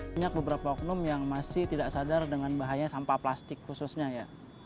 banyak beberapa oknum yang masih tidak sadar dengan bahaya sampah plastik khususnya ya